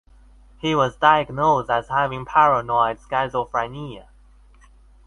He was diagnosed as having paranoid schizophrenia.